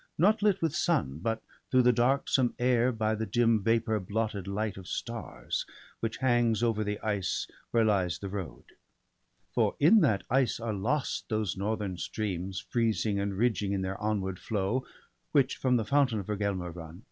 Not lit with sun, but through the darksome air By the dim vapour blotted light of stars. Which hangs over the ice where lies the road. For in that ice are lost those northern streams. Freezing and ridging in their onward flow, Which from the fountain of Vergelmer run.